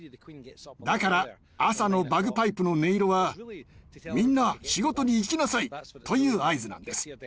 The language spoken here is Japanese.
だから朝のバグパイプの音色は「みんな仕事に行きなさい」という合図なんです。